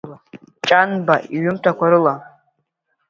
Ҷанба иҩымҭақәа рыла.